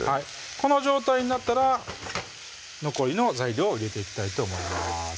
この状態になったら残りの材料を入れていきたいと思います